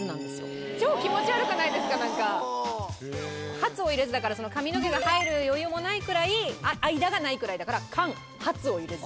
「髪を入れず」だから髪の毛が入る余裕もないくらい間がないくらいだから「間髪を入れず」なんです。